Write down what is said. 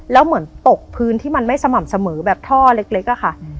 แล้วเหมือนตกพื้นที่มันไม่สม่ำเสมอแบบท่อเล็กอะค่ะ